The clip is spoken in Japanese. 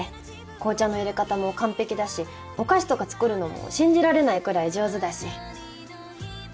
紅茶の入れ方も完璧だしお菓子とか作るのも信じられないくらい上手だし。